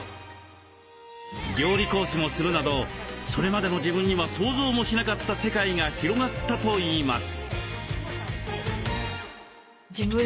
料理講師もするなどそれまでの自分には想像もしなかった世界が広がったといいます。